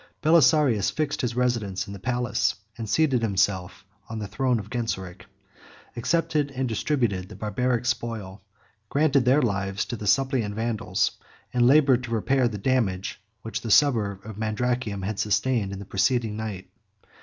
Belisarius fixed his residence in the palace; seated himself on the throne of Genseric; accepted and distributed the Barbaric spoil; granted their lives to the suppliant Vandals; and labored to repair the damage which the suburb of Mandracium had sustained in the preceding night.